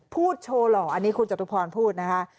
พูดโชว์หล่ออันนี้คุณจตุพรพูดนะคะ